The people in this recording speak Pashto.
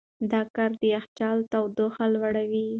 دا کار د یخچال تودوخه لوړوي.